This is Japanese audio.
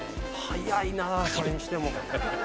早いなそれにしても。